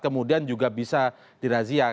kemudian juga bisa dirazia